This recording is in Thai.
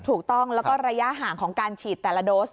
ถูกต้องแล้วก็ระยะห่างของการฉีดแต่ละโดส